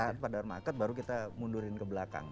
pada market baru kita mundurin ke belakang